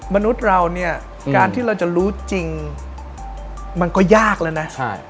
มนุษย์เราเนี่ยการที่เราจะรู้จริงมันก็ยากแล้วนะ